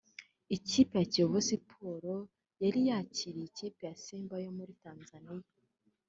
Ikipe ya Kiyovu Sports yari yakiriye ikipe ya Simba yo muri Tanzania